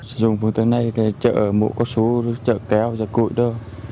sử dụng phương tiện này thì chở mũ có số chở kéo và cụi đô